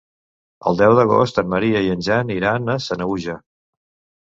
El deu d'agost en Maria i en Jan iran a Sanaüja.